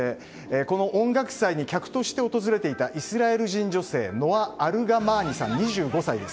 この音楽祭に客として訪れていたイスラエル人女性ノア・アルガマーニさん、２５歳。